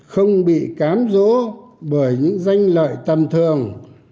không bị cám dỗ bởi những danh lợi tầm thường